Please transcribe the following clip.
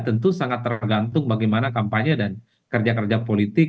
tentu sangat tergantung bagaimana kampanye dan kerja kerja politik